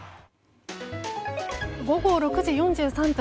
午後６時４３分。